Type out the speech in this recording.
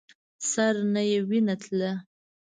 سر نه يې وينه تله.